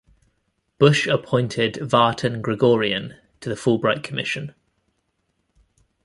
Bush appointed Vartan Gregorian to the Fulbright Commission.